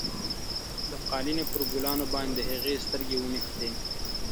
د قالینې پر ګلانو باندې د هغې سترګې ونښتې.